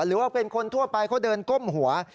หรือว่าเป็นคนทั่วไปเขาเดินก้มหัว